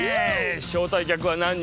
招待客は何人？